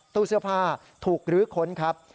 ตู้เสื้อผ้าถูกลื้อค้นครับ